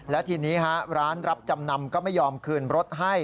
และทีนี้ร้านรับจำนำก็ไม่ยอมคืนรถให้